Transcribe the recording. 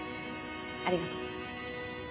ありがとう。